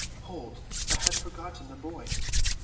Hold, I had forgotten the boy!"